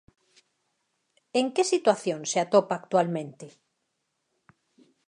En que situación se atopa actualmente?